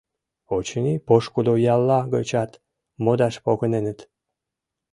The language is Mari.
Очыни, пошкудо ялла гычат модаш погыненыт.